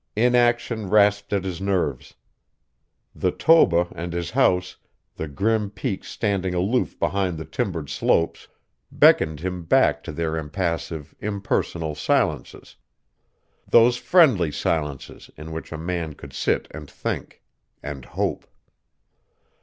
Inaction rasped at his nerves. The Toba and his house, the grim peaks standing aloof behind the timbered slopes, beckoned him back to their impassive, impersonal silences, those friendly silences in which a man could sit and think and hope.